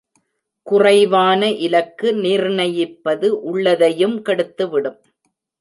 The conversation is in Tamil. குறைவான இலக்கு நிர்ணயிப்பது உள்ளதையும் கெடுத்துவிடும்.